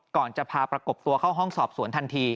ก่อนจะพาประกบตัวเข้าห้องสอบสวนทันที